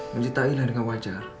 menjitainya dengan wajar